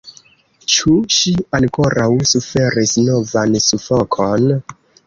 Ĉu ŝi ankoraŭ suferis novan sufokon?